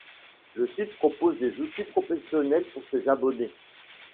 Le site propose des outils professionnels pour ses abonnés.